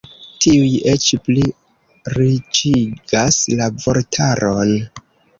Tiuj eĉ pli riĉigas la vortaron.